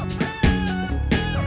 oh apa apa betapa